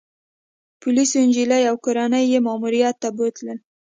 پولیسو انجلۍ او کورنۍ يې ماموریت ته بوتلل